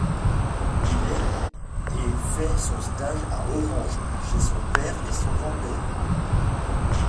Il est et fait son stage à Orange chez son père et son grand-père.